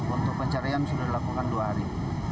untuk pencarian sudah dilakukan dua hari